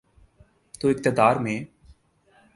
تو اقتدار میں۔